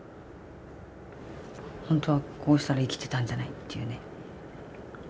本当はこうしたら生きてたんじゃない？っていうね。